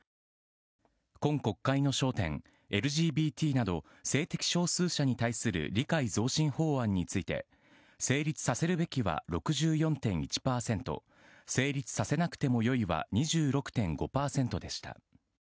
今国会の焦点ＬＧＢＴなど性的少数者に対する理解増進法案について成立させるべきは６４．１％成立させなくてもよいは２６．５％でした。